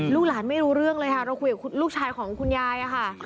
ลูกหลานไม่รู้เรื่องเลยค่ะเราคุยกับลูกชายของคุณยายค่ะ